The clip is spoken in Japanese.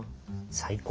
最高。